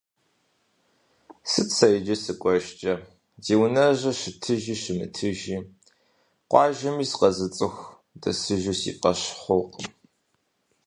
Сыт сэ иджы сыкӏуэжкӏэ, ди унэжьыр щытыжи щымытыжи, къуажэми сыкъэзыцӏыху дэсыжууи сифӏэщ хъуркъым.